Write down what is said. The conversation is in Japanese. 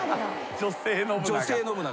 女性信長。